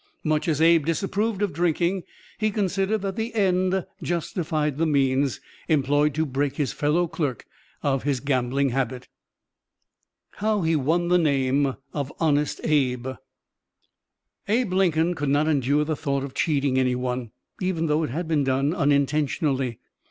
Much as Abe disapproved of drinking, he considered that "the end justified the means" employed to break his fellow clerk of the gambling habit. HOW HE WON THE NAME OF "HONEST ABE" Abe Lincoln could not endure the thought of cheating any one, even though it had been done unintentionally.